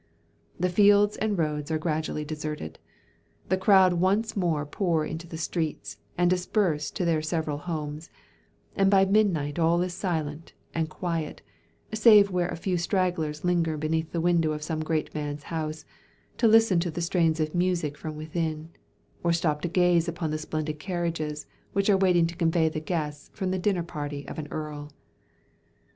The fields and roads are gradually deserted, the crowd once more pour into the streets, and disperse to their several homes; and by midnight all is silent and quiet, save where a few stragglers linger beneath the window of some great man's house, to listen to the strains of music from within: or stop to gaze upon the splendid carriages which are waiting to convey the guests from the dinner party of an Earl.